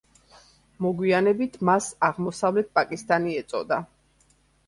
მოგვიანებით, მას აღმოსავლეთ პაკისტანი ეწოდა.